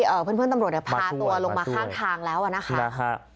เพื่อนเพื่อนตำรวจเนี่ยพาตัวลงมาข้างทางแล้วอ่ะนะคะ